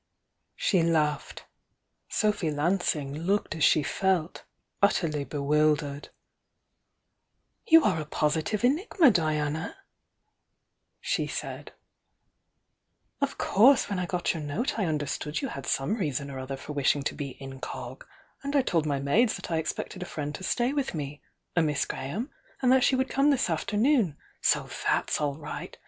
She laughed; Sophy Lansing looked as she felt, utterly bewildered. "You are a positive enigma, Diana!" she said. "Of course when I got your note I understood you had some reason or other for wishing to be incog., and I told my maids that I expected a friend to stay with me, a Miss Graham, and that she would come thia afternoon, — so that's all right!